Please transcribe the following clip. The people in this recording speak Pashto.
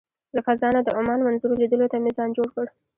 له فضا نه د عمان منظرو لیدلو ته مې ځان جوړ کړ.